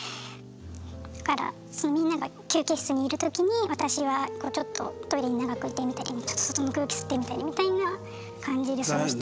だからみんなが休憩室にいるときに私はちょっとトイレに長くいてみたりちょっと外の空気吸ってみたりみたいな感じで過ごして。